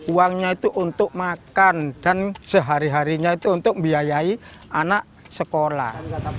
uangnya itu untuk makan dan sehari harinya itu untuk membiayai anak sekolah